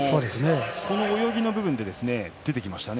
この泳ぎの部分で出てきましたね